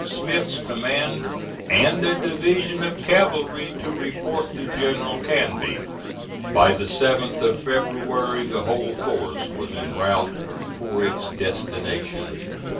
Smith's command and a division of cavalry to report to General Canby. By the 7th of February the whole force was en route for its destination.